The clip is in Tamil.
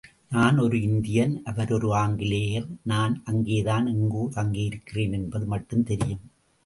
நான் ஒரு இந்தியன் அவர் ஒரு ஆங்கிலேயர் நான் அங்கேதான் எங்கோ தங்கியிருக்கிறேன் என்பது மட்டும் தெரியும்.